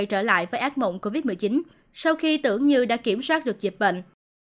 b một một năm trăm hai mươi chín có thể lây lại với ác mộng covid một mươi chín sau khi tưởng như đã kiểm soát được dịch bệnh